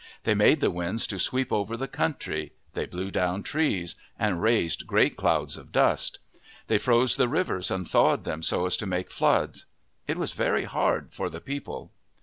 They made the winds to sweep over the country, they blew down trees and raised great clouds of dust, they froze the rivers and thawed them so as to make floods. It was very hard for the people.